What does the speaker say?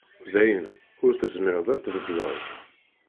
D ayen ur tezmireḍ ad tbeddleḍ.